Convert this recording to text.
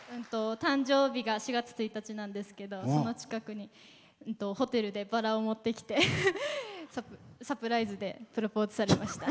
誕生日が４月１日なんですけどその近くにホテルにバラを持ってきてサプライズでプロポーズされました。